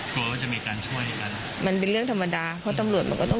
กลัวว่าจะมีการช่วยกัน